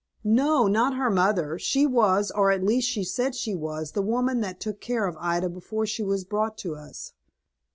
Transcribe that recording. "No, not her mother. She was, or at least she said she was, the woman that took care of Ida before she was brought to us."